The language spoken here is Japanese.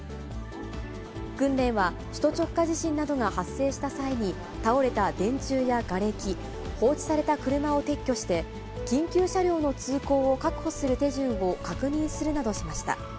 訓練は、首都直下地震などが発生した際に、倒れた電柱やがれき、放置された車を撤去して、緊急車両の通行を確保する手順を確認するなどしました。